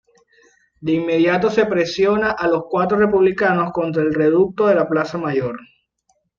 De inmediato se presiona a los republicanos contra el reducto de la plaza mayor.